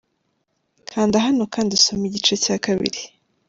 Kandahano kandi usome igice cya kabiri.